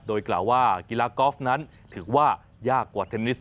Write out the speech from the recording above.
โดยกล่าวว่ากีฬากอล์ฟนั้นถือว่ายากกว่าเทนนิส